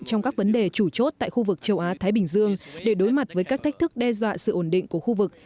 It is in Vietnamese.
trong các vấn đề chủ chốt tại khu vực châu á thái bình dương để đối mặt với các thách thức đe dọa sự ổn định của khu vực